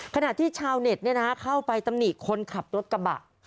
ขณะที่ชาวเน็ตเข้าไปตำหนิคนขับรถกระบะ